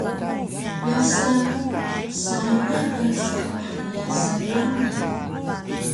Yaasa msangay ka sapah pyasan nami